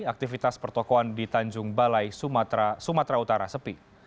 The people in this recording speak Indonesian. aktivitas pertokohan di tanjung balai sumatera utara sepi